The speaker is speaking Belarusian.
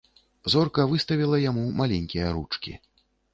Зорка выставіла яму маленькія ручкі.